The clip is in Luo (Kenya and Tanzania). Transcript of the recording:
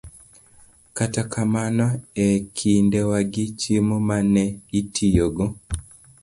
Kata kamano, e kindewagi, chiemo ma ne itiyogo